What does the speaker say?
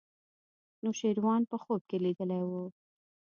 نوشیروان په خوب کې لیدلی و.